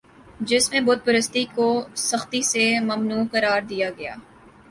جس میں بت پرستی کو سختی سے ممنوع قرار دیا گیا